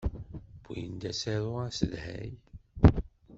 Win d asaru asedhay.